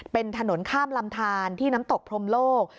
เป็นถนนข้ามลำทานที่น้ำตกพรมโลก